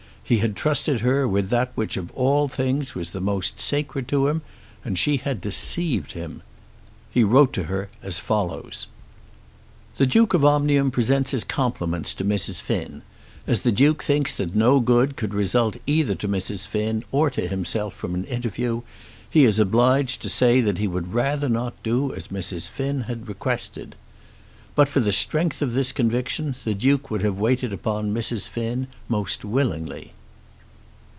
He had trusted her with that which of all things was the most sacred to him, and she had deceived him! He wrote to her as follows: The Duke of Omnium presents his compliments to Mrs. Finn. As the Duke thinks that no good could result either to Mrs. Finn or to himself from an interview, he is obliged to say that he would rather not do as Mrs. Finn has requested. But for the strength of this conviction the Duke would have waited upon Mrs. Finn most willingly.